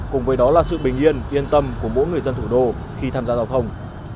cùng với đó là sự bình yên yên tâm của mỗi người dân thủ đô khi tham gia giao thông